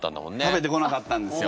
食べてこなかったんですよ。